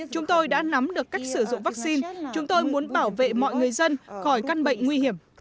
chúng tôi đã nắm được cách sử dụng vaccine chúng tôi muốn bảo vệ mọi người dân khỏi căn bệnh nguy hiểm